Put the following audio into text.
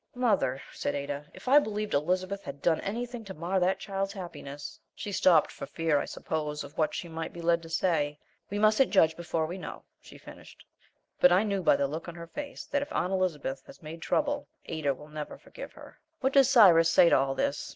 "Mother," said Ada, "if I believed Elizabeth had done anything to mar that child's happiness " She stopped for fear, I suppose, of what she might be led to say. "We mustn't judge before we know," she finished. But I knew by the look on her face that, if Aunt Elizabeth has made trouble, Ada will never forgive her. "What does Cyrus say to all this?"